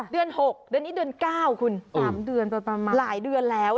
๒๕๖๔เดือน๖เดือนนี้เดือน๙หลายเดือนแล้ว